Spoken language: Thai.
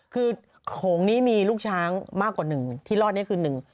คือโขงนี้มีลูกช้างมากกว่าหนึ่งที่รอดนี้คือหนึ่ง